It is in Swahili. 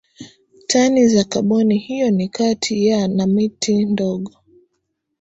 Tani za kaboni hiyo ni kati ya na miti ndogo